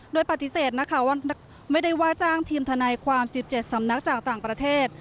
โดยปฏิเสธนะคะว่าไม่ได้ว่าจ้างทีมทนายความ๑๗สำนักจากต่างประเทศ